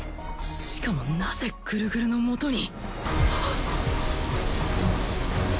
しかもなぜグルグルのもとに。